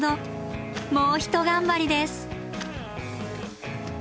もうひと頑張りです。